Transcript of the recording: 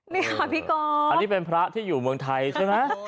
นี่ค่ะพี่กรอันนี้เป็นพระที่อยู่เมืองไทยใช่ไหม